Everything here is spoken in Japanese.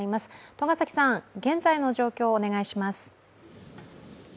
栂崎さん、現在の状況をお願いします。